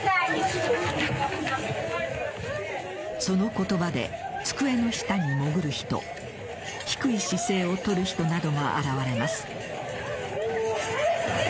その言葉で、机の下に潜る人低い姿勢をとる人などが現れます。